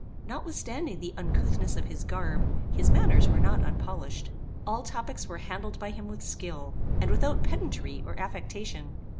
Notwithstanding the uncouthness of his garb, his manners were not unpolished. All topics were handled by him with skill, and without pedantry or affectation.